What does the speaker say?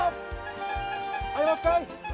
はいもう一回！